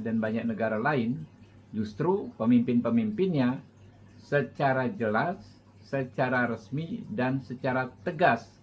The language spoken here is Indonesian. dan banyak negara lain justru pemimpin pemimpinnya secara jelas secara resmi dan secara tegas